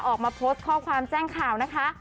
ออกมาโพสต์ข้อความแจ้งข่าวนะคะ